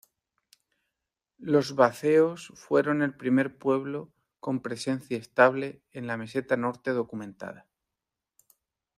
Los Vacceos fueron el primer pueblo con presencia estable en la Meseta Norte documentada.